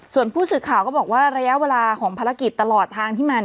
ส่วนผู้สื่อข่าวก็บอกว่าระยะเวลาของภารกิจตลอดทางที่มา